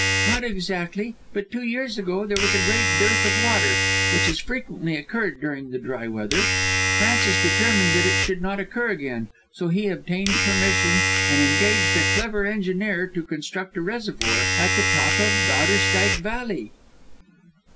"Not exactly. But two years ago there was a great dearth of water, which has frequently occurred during the dry weather. Francis determined that it should not occur again, so he obtained permission and engaged a clever engineer to construct a reservoir at the top of Bowderstyke Valley."